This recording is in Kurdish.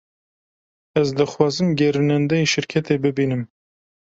Ez dixwazim gerînendeyê şirketê bibînim.